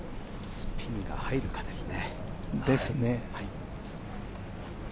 スピンが入るかですね。